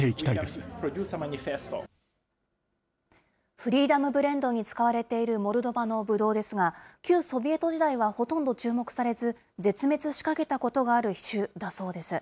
フリーダムブレンドに使われているモルドバのブドウですが、旧ソビエト時代はほとんど注目されず、絶滅しかけたことがある種だそうです。